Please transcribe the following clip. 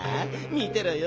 みてろよ。